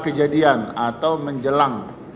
kejadian atau menjelang